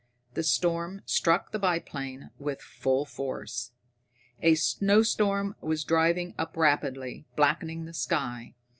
The storm struck the biplane with full force. A snowstorm was driving up rapidly, blackening the sky.